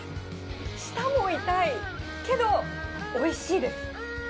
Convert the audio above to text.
舌も痛いけど、おいしいです。